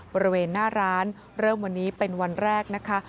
บริเวณหน้าร้านเริ่มวันนี้เป็นวันแรกนะคะ